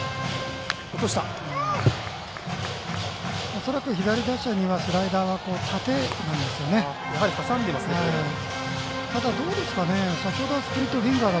恐らく左打者にはスライダーが縦なんですよね。